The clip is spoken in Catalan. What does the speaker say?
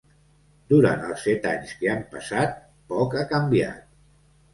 Durant els set anys que han passat, poc ha canviat.